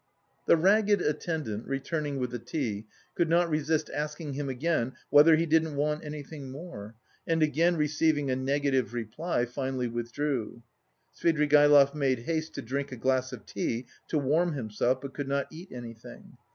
The ragged attendant, returning with the tea, could not resist asking him again whether he didn't want anything more, and again receiving a negative reply, finally withdrew. Svidrigaïlov made haste to drink a glass of tea to warm himself, but could not eat anything.